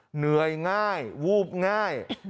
เหนื่อยง่ายวูบง่าย